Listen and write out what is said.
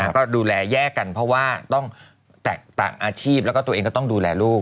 ก็ดูแลแยกกันเพราะว่าต้องแตกต่างอาชีพแล้วก็ตัวเองก็ต้องดูแลลูก